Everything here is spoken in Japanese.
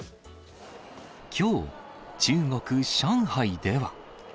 きょう、中国・上海では。